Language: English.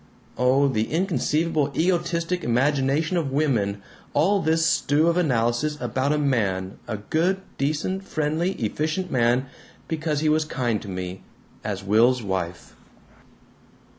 ... Oh, the inconceivable egotistic imagination of women! All this stew of analysis about a man, a good, decent, friendly, efficient man, because he was kind to me, as Will's wife!"